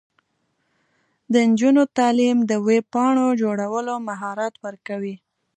د نجونو تعلیم د ویب پاڼو جوړولو مهارت ورکوي.